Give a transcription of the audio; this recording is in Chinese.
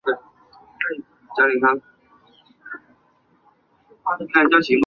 这也是吴越政权所使用的自己改元的年号之一。